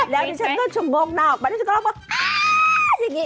แล้วดิฉันก็ฉุ่มมมกหน้าออกไปแล้วลองอ๋ออย่างนี้